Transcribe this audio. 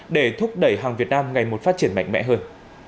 để thúc đẩy hàng việt nam ngày một phát triển mạnh mẽ hơn